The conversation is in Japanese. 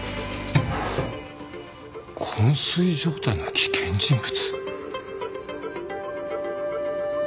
昏睡状態の危険人物？